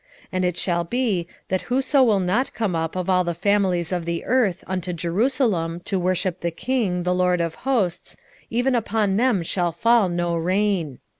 14:17 And it shall be, that whoso will not come up of all the families of the earth unto Jerusalem to worship the King, the LORD of hosts, even upon them shall be no rain.